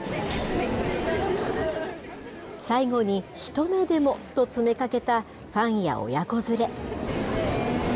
最後に、一目でもと詰めかけたファンや親子連れ。